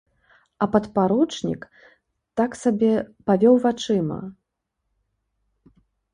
А падпаручнік, так сабе, павёў вачыма.